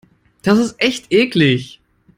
Das ist echt eklig.